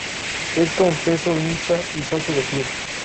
Es confeso hincha y socio del club.